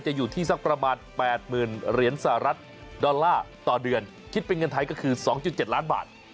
อยู่ที่สักประมาณ๘๐๐๐เหรียญสหรัฐดอลลาร์ต่อเดือนคิดเป็นเงินไทยก็คือ๒๗ล้านบาท